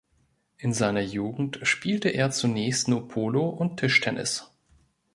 In seiner Jugend spielte er zunächst nur Polo und Tischtennis.